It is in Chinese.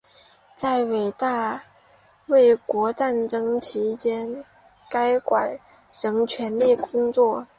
在伟大卫国战争期间该馆仍全力工作。